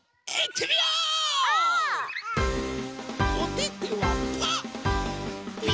おててはパー。